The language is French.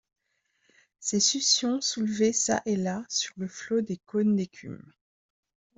Ces succions soulevaient çà et là sur le flot des cônes d’écume.